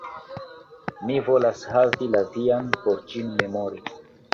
Mi volas havi la vian, por ĝin memori.